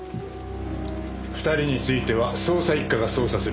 ２人については捜査一課が捜査する。